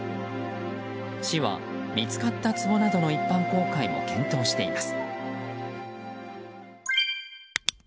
市は見つかったつぼなどの一般公開も検討しています。